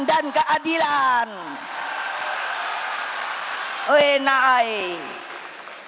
nanti katanya saya bumega provokator ya saya sekarang provokator demi keadilan